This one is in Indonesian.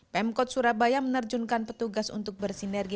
pemkot surabaya menerjunkan petugas untuk bersinergi